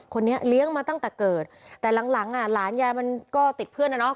คนนี้เลี้ยงมาตั้งแต่เกิดแต่หลังหลังอ่ะหลานยายมันก็ติดเพื่อนนะเนาะ